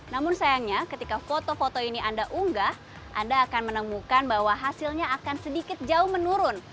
namun sayangnya ketika foto foto ini anda unggah anda akan menemukan bahwa hasilnya akan sedikit jauh menurun